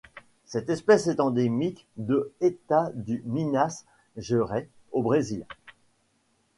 Cette espèce est endémique de État du Minas Gerais au Brésil.